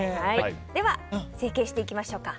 では、成型していきましょうか。